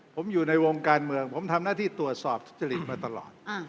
ผมอยู่ในวงการเมืองผมทำหน้าที่ตรวจสอบทุจริตมาตลอด